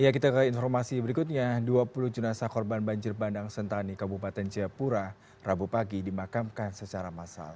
kita ke informasi berikutnya dua puluh jenazah korban banjir bandang sentani kabupaten jayapura rabu pagi dimakamkan secara massal